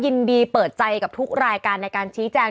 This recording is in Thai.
อิยมดีมีใจกับรายการในการชี้แจง